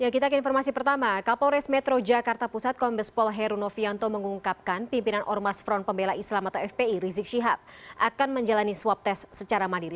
kita ke informasi pertama kapolres metro jakarta pusat kombespol heru novianto mengungkapkan pimpinan ormas front pembela islam atau fpi rizik syihab akan menjalani swab tes secara mandiri